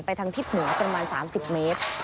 ไปทางทิศหัวประมาณ๓๐เมตร